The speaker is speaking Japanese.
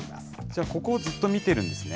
じゃ、ここをずっと見てるんですね。